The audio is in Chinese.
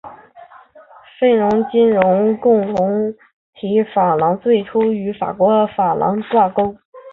非洲金融共同体法郎最初与法国法郎挂钩。